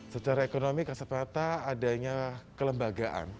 secara ekonomi kasepata adanya kelembagaan